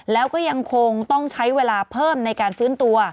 แล้วก็ยังคงต้องใช้เวลาเพิ่มในการฟื้นตัว